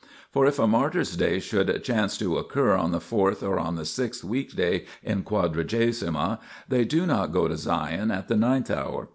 For if a martyrs' day should chance to occur on the fourth or on the sixth weekday in Quadragesima, they do not go to Sion at the ninth hour.